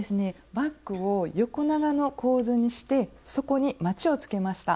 バッグを横長の構図にして底にまちをつけました。